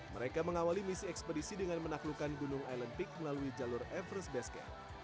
mereka mengawali misi ekspedisi dengan menaklukkan gunung island peak melalui jalur everest basket